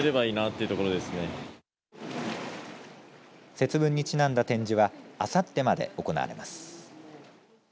節分にちなんだ展示はあさってまで行われます。